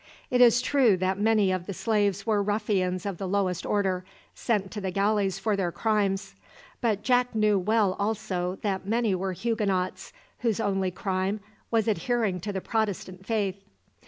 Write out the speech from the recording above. It is true that many of the slaves were ruffians of the lowest order, sent to the galleys for their crimes; but Jack knew well, also, that many were Huguenots, whose only crime was adhering to the Protestant faith.